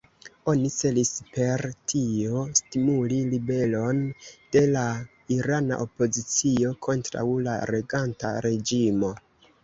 Oni celis per tio stimuli ribelon de la irana opozicio kontraŭ la reganta reĝimo.